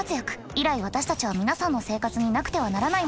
以来私たちは皆さんの生活になくてはならないものでした。